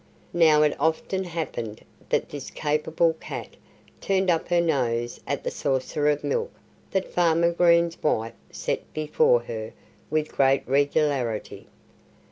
Now it often happened that this capable cat turned up her nose at the saucer of milk that Farmer Green's wife set before her with great regularity.